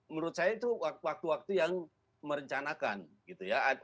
menurut saya itu waktu waktu yang merencanakan gitu ya